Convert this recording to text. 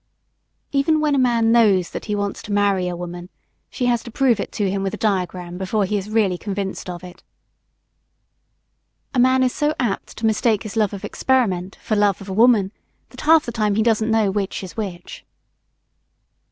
Even when a man knows that he wants to marry a woman, she has to prove it to him with a diagram before he is really convinced of it. A man is so apt to mistake his love of experiment for love of a woman that half the time he doesn't know which is which.